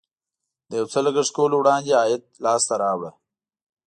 د یو څه لګښت کولو وړاندې عاید لاسته راوړه.